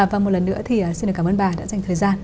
và một lần nữa thì xin cảm ơn bà đã dành thời gian